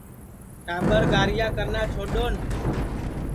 ٹاٻر گاریا کرنا چھوڈؔون